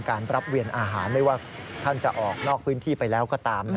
การรับเวียนอาหารไม่ว่าท่านจะออกนอกพื้นที่ไปแล้วก็ตาม